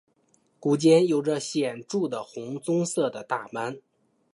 股间有显着的红棕色的大斑。